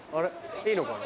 いいのかな？